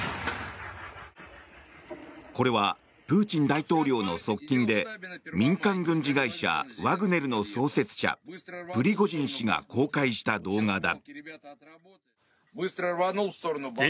これは、プーチン大統領の側近で民間軍事会社ワグネルの創設者プリゴジン氏が公開した動画だ。